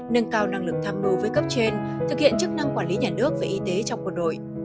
nâng cao năng lực tham mưu với cấp trên thực hiện chức năng quản lý nhà nước về y tế trong quân đội